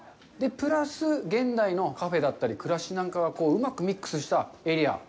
プラス、現代のカフェだったり、暮らしなんかがうまくミックスされたエリア。